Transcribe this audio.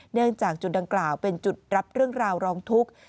เนื่องจากจุดดังกล่าวเป็นจุดรับเรื่องราวร้องทุกข์